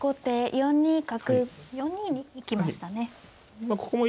４二に行きましたね。